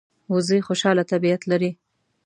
وزې خوشاله طبیعت لري